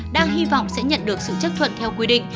đang hy vọng sẽ nhận được sự chấp thuận theo quy định